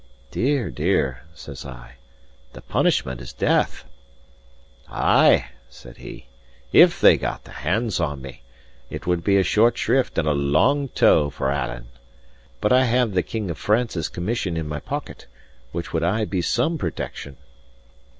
"Dear, dear," says I, "the punishment is death." "Ay" said he, "if they got hands on me, it would be a short shrift and a lang tow for Alan! But I have the King of France's commission in my pocket, which would aye be some protection."